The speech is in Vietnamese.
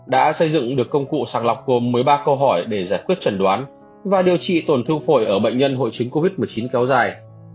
đã xây dựng được công cụ sàng lọc gồm một mươi ba câu hỏi để giải quyết trần đoán và điều trị tổn thương phổi ở bệnh nhân hội chính covid một mươi chín kéo dài